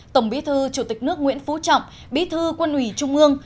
tổng bí thư chủ tịch nước nguyễn phú trọng bí thư quân ủy trung ương